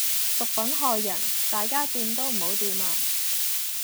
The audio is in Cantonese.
毒品害人，大家掂都唔好掂呀！